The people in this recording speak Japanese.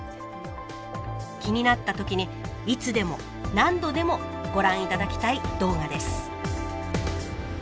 気になった時にいつでも何度でもご覧いただきたい動画です